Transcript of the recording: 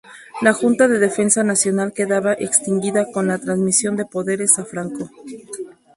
La Junta de Defensa Nacional quedaba extinguida con la transmisión de poderes a Franco.